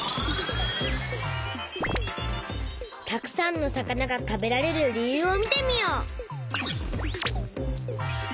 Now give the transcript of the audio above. たくさんの魚が食べられる理由を見てみよう！